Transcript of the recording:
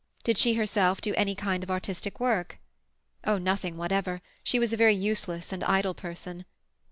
Did she herself do any kind of artistic work? Oh, nothing whatever; she was a very useless and idle person.